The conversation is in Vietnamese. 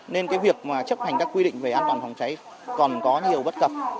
nên cái việc mà chấp hành các quy định về an toàn phòng cháy còn có nhiều bất cập